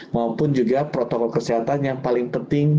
maupun juga protokol kesehatan yang paling penting